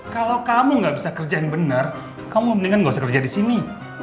kalau kamu gak bisa kerja yang benar kamu mendingan gak usah kerja di sini